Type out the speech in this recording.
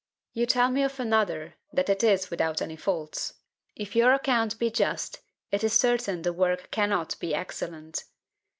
You tell me of another, that it is without any faults: if your account be just, it is certain the work cannot be excellent.